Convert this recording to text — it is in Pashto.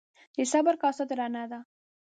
ـ د صبر کاسه درنه ده.